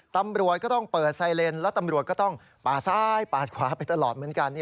ตำรวจก็ต้องเปิดไซเลนแล้วตำรวจก็ต้องปาดซ้ายปาดขวาไปตลอดเหมือนกัน